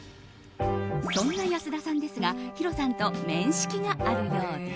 そんな安田さんですがヒロさんと面識があるようで。